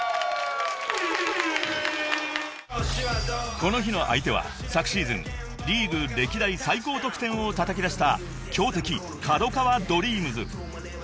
［この日の相手は昨シーズンリーグ歴代最高得点をたたき出した強敵ＫＡＤＯＫＡＷＡＤＲＥＡＭＳ］